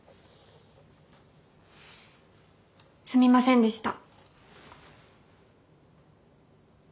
すみませんでした。